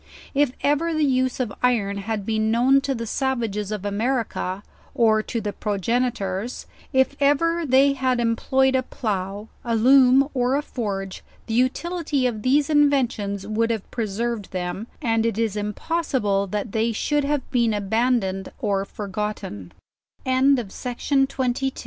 If ever the use of iron had been known to the savages of America, or to the progenitors, if ever they had employed a plough, a loom, or a forge, the utility of these inventions would have preserved them, and it is impossible that they should have